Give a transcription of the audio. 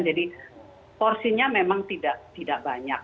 jadi porsinya memang tidak banyak